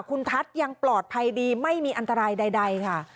คุณทัศน์ยังปลอดภัยดีไม่มีอันตรายใดค่ะ